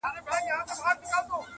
چي رنګ دي په قصه ژړ سو، توروته مه ځه